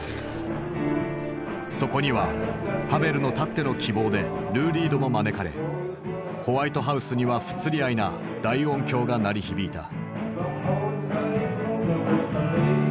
そこにはハヴェルのたっての希望でルー・リードも招かれホワイトハウスには不釣り合いな大音響が鳴り響いた。